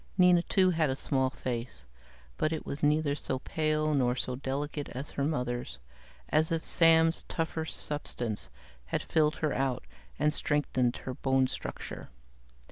Nina, too, had a small face, but it was neither so pale nor so delicate as her mother's, as if Sam's tougher substance had filled her out and strengthened her bone structure.